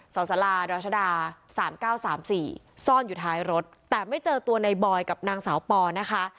สรรษะลาดรสามเก้าสามสี่ซ่อนอยู่ท้ายรถแต่ไม่เจอตัวในบอยกับนางสาวปอนะคะ